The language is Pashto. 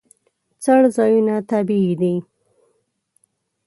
څړځایونه طبیعي دي.